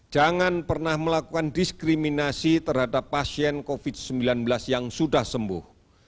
jangan pernah melakukan diskriminasi terhadap pasien covid sembilan belas yang sudah sembuh